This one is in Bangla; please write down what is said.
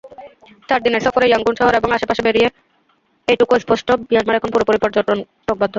চার দিনের সফরে ইয়াঙ্গুন শহর এবং আশপাশে বেড়িয়ে এইটুকু স্পষ্ট—মিয়ানমার এখন পুরোপুরি পর্যটকবান্ধব।